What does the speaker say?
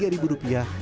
dua tiga ribu rupiah